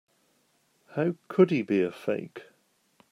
How could he be a fake?